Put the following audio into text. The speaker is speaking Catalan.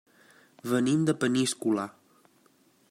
Venim de Peníscola.